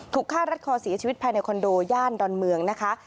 ฆ่ารัดคอเสียชีวิตภายในคอนโดย่านดอนเมืองนะคะ